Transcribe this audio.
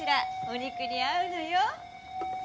お肉に合うのよ。